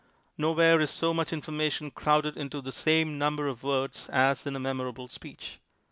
Nowhere is so much information crowded into the same number of words as in a memorable speech.